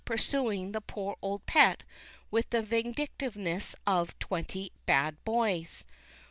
555 pursuing the poor old pet with the vindictiveness of twenty bad boys.